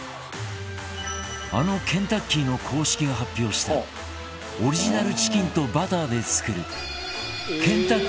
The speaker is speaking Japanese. あのケンタッキーの公式が発表したオリジナルチキンとバターで作る